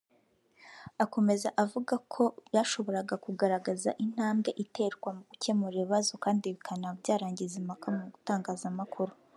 Akomeza avuga ko byashoboraga kugaragaza intambwe iterwa mu gukemura ibibazo kandi bikanaba byarangiza impaka mu bitangazamakuru